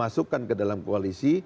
dimasukkan ke dalam koalisi